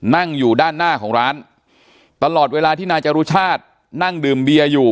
นั่งอยู่ด้านหน้าของร้านตลอดเวลาที่นายจรุชาตินั่งดื่มเบียร์อยู่